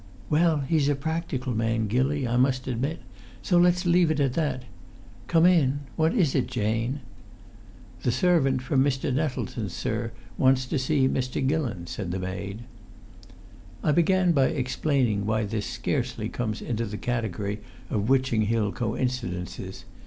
"Well, he's a practical man, Gilly, I must admit, so let's leave it at that. Come in! What is it, Jane?" "The servant from Mr. Nettleton's, sir, wants to see Mr. Gillon," said the maid. I began by explaining why this scarcely comes into the category of Witching Hill coincidences.